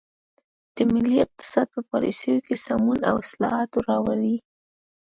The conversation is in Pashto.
د ملي اقتصاد په پالیسیو کې سمون او اصلاحات راوړي.